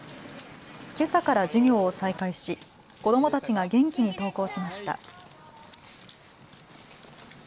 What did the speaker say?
けさから授業を再開し子どもたちが元気に登校しました。